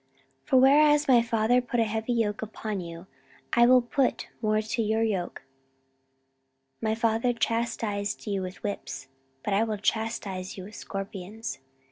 14:010:011 For whereas my father put a heavy yoke upon you, I will put more to your yoke: my father chastised you with whips, but I will chastise you with scorpions.